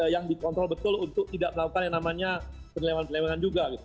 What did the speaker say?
yang dikontrol betul untuk tidak melakukan yang namanya penyelewan penyelewan juga gitu